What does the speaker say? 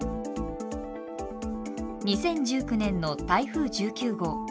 ２０１９年の台風１９号。